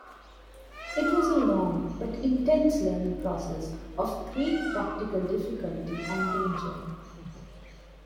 It was a long but intense learning process of great practical difficulty and danger.